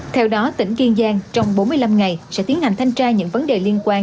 theo đó tỉnh kiên giang trong bốn mươi năm ngày sẽ tiến hành thanh tra những vấn đề liên quan